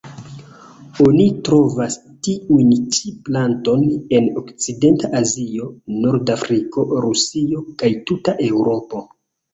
Oni trovas tiun ĉi planton en okcidenta Azio, Nordafriko, Rusio kaj tuta Eŭropo.